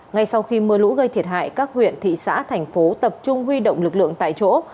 ngay sau khi mưa lũ gây thiệt hại các huyện thị xã thành phố tập trung huy động lực lượng tại chỗ